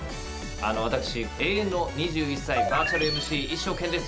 あの私永遠の２１歳バーチャルＭＣ一翔剣です。